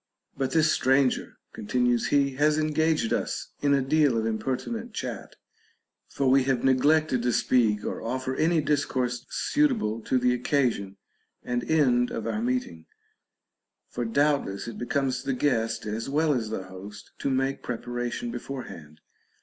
But this stranger (continues he) has engaged us in a deal of impertinent chat, for we have neglected to speak or offer any discourse suitable to the occasion and end of our meet ing ; for doubtless it becomes the guest, as well as the host, to make preparation beforehand.